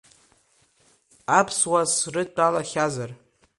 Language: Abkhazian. Аԥсуаа срыдтәалахьазар…